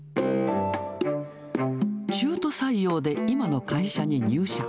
中途採用で今の会社に入社。